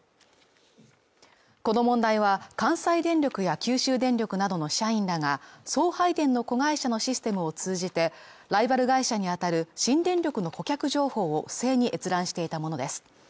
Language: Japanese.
この問題は、関西電力や九州電力などの社員らが送配電の子会社のシステムを通じて、ライバル会社にあたる新電力の顧客情報を不正に閲覧していた者です。